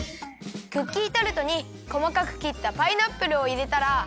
クッキータルトにこまかくきったパイナップルをいれたら。